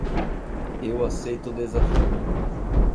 Eu aceito o desafio.